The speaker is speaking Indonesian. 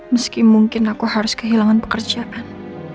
meski mungkin aku harus kehilangan pekerjaan